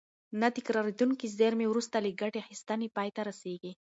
نه تکرارېدونکې زېرمې وروسته له ګټې اخیستنې پای ته رسیږي.